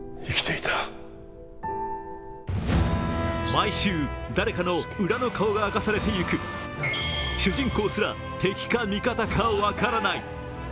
毎週、誰かの裏の顔が明かされていく主人公すら敵か味方か分からない。